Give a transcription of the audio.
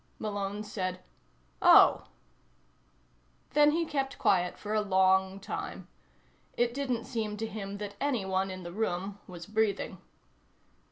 Malone said: "Oh." Then he kept quiet for a long time. It didn't seem to him that anyone in the room was breathing.